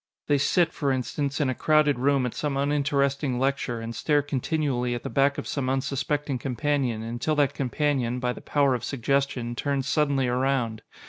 They sit, for instance, in a crowded room at some uninteresting lecture, and stare continually at the back of some unsuspecting companion until that companion, by the power of suggestion, turns suddenly around.